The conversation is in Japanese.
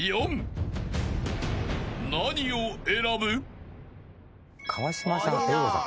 ［何を選ぶ？］